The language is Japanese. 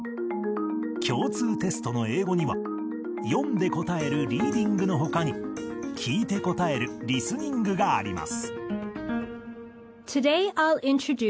共通テストの英語には読んで答えるリーディングの他に聴いて答えるリスニングがあります